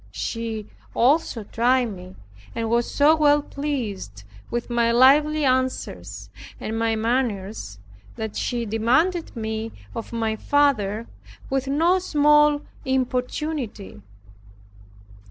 She also tried me and was so well pleased with my lively answers, and my manners, that she demanded me of my father with no small importunity.